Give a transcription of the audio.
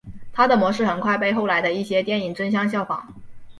它的模式很快被后来的一些电影争相效仿。